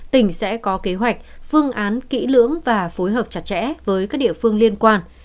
tỉnh sẽ có kế hoạch phương án kỹ lưỡng và phối hợp chặt chẽ với các địa phương liên quan